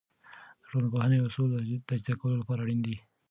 د ټولنپوهنې اصول د تجزیه کولو لپاره اړین دي.